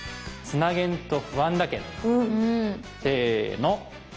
「つなげんと不安だけん」。